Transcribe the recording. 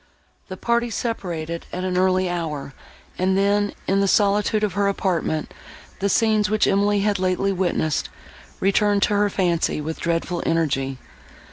The party separated, at an early hour, and then, in the solitude of her apartment, the scenes, which Emily had lately witnessed, returned to her fancy, with dreadful energy.